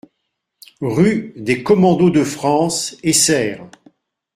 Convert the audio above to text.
Rue des Commandos de France, Essert